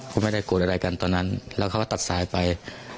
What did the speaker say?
ก็ไม่ได้โกรธอะไรกันตอนนั้นแล้วเขาก็ตัดสายไป